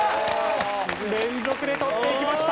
連続で取っていきました。